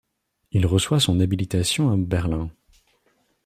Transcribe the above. Il reçoit son habilitation à Berlin.